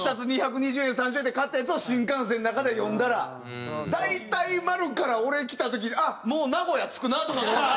２３０円で買ったやつを新幹線の中で読んだら大体マルから俺来た時に「あっもう名古屋着くな」とかが。